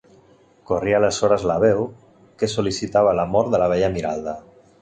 Corria aleshores la veu que sol·licitava l’amor de la bella Miralda.